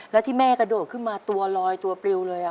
แล้วที่แม่กระโดดขึ้นมาตัวลอยตัวปลิวเลย